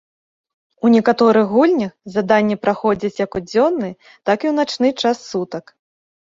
У некаторых гульнях заданні праходзяць як у дзённы, так і ў начны час сутак.